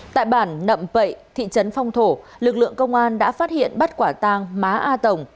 tại bản nậm pậy thị trấn phong thổ lực lượng công an đã phát hiện bắt quả tang má a tổng